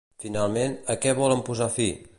Finalment, a què volen posar fi?